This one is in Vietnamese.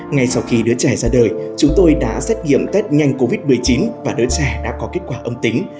ngay sau khi đứa trẻ ra đời chúng tôi đã xét nghiệm test nhanh covid một mươi chín và đứa trẻ đã có kết quả âm tính